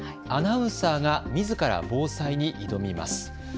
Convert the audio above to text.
アナウンサーがみずから防災に挑みます。